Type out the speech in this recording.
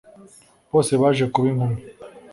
bose baje kuba inkumi